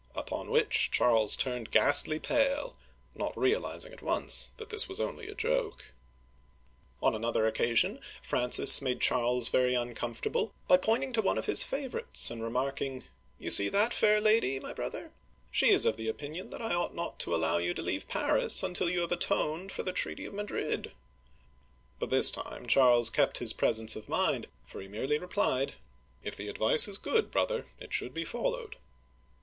" upon which Charles turned ghastly pale, not realizing at once that this was only a joke. Painting by Gros. Visit of Francis I. and Charles V. at St. Denis. Digitized by Google FRANCIS I. (1515 1547) 243 On another occasion Francis made Charles very uncom fortable by pointing to one of his favorites and remarking : "You see that fair lady, my brother? She is of the opin ion that I ought not to allow you to leave Paris until you have atoned for the treaty of Madrid/' But this time Charles kept his presence of mind, for he merely replied :" If the advice is good, brother, it should be followed